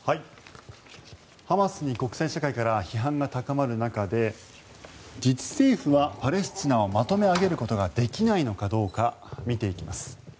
ハマスに国際社会から批判が高まる中で自治政府はパレスチナをまとめ上げることができないのかどうか見ていきます。